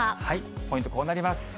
ポイント、こうなります。